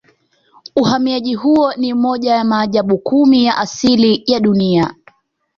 Uhamiaji huo ni moja ya maajabu kumi ya asili Duniani